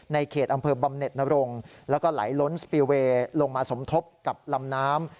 เขตอำเภอบำเน็ตนรงแล้วก็ไหลล้นสปีลเวย์ลงมาสมทบกับลำน้ำ